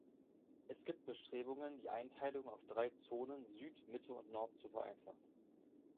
Es gibt Bestrebungen, die Einteilung auf drei Zonen, Süd, Mitte und Nord, zu vereinfachen.